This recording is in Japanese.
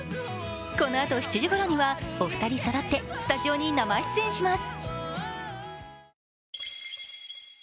このあと７時ごろにはお二人そろってスタジオに生出演します。